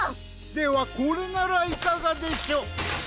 ではこれならいかがでしょ？